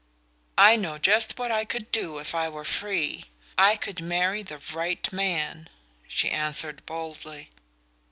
"I know just what I could do if I were free. I could marry the right man," she answered boldly.